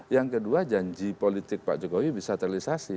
yang kedua janji politik pak jokowi bisa terrealisasi